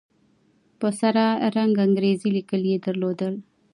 په سره رنگ انګريزي ليکل يې درلودل.